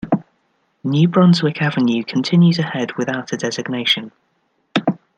New Brunswick Avenue continues ahead without a designation.